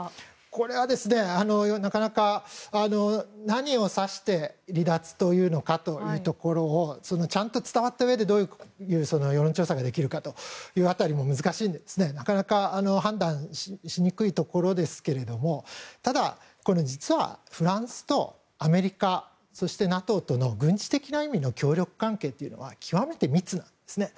これはなかなか何を指して離脱というのかというところがちゃんと伝わったうえでどういう世論調査ができるかという辺りも難しいのでなかなか判断しにくいところですけれどただ、実はフランスとアメリカそしてＮＡＴＯとの軍事的な意味の協力関係というのは極めて密なんですね。